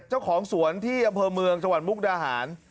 เจ้าของสวนที่อำเภอเมืองจังหวัดมุกดาหาร